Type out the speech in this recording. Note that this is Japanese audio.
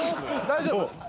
大丈夫？